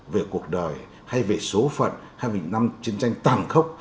về cuộc đời hay về số phận hay năm chiến tranh tàn khốc